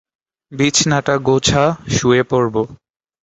এটি একটি ইতিবাচক নীতি।